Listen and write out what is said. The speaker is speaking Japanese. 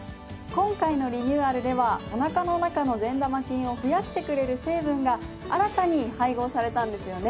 今回のリニューアルではおなかの中の善玉菌を増やしてくれる成分が新たに配合されたんですよね？